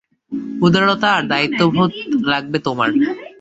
উদারতা আর দায়িত্ববোধ লাগবে তোমার।